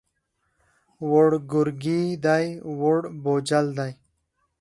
ووړ کورګی دی، ووړ بوجل دی.